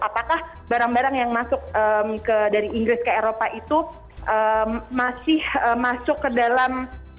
apakah barang barang yang masuk dari inggris ke eropa itu masih masuk ke dalam